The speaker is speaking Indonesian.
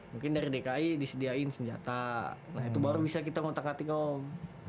mungkin dari dki disediain senjata nah itu baru bisa kita ngotak ngatik om